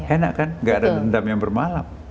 enak kan gak ada dendam yang bermalam